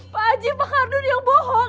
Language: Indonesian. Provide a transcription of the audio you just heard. pak arjun pak arun yang bohong